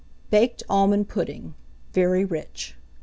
BAKED ALMOND PUDDING. (Very rich.)